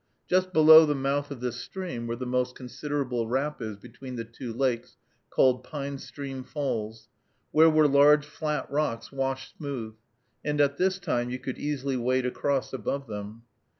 Just below the mouth of this stream were the most considerable rapids between the two lakes, called Pine Stream Falls, where were large flat rocks washed smooth, and at this time you could easily wade across above them.